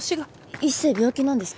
一星病気なんですか？